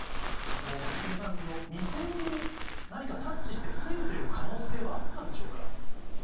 関根さん、未然に何か察知して防ぐという可能性はあったんでしょうか。